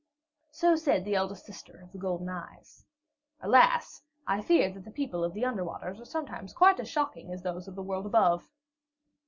So said the eldest sister, of the golden eyes. Alas, I fear that the people of the under waters are sometimes quite as shocking as those of the world above.